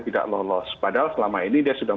tidak lolos padahal selama ini dia sudah